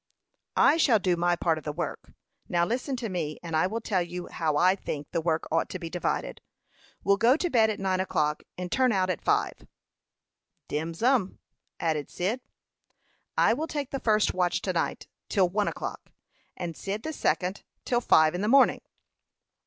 "I shall do my part of the work. Now listen to me, and I will tell you how I think the work ought to be divided. We'll go to bed at nine o'clock, and turn out at five." "Dem's um," nodded Cyd. "I will take the first watch to night, till one o'clock, and Cyd the second, till five in the morning."